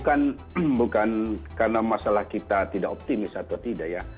karena apa bukan karena masalah kita tidak optimis atau tidak ya